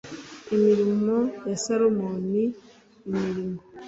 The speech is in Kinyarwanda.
Imirimo ya Salomoni Imirimo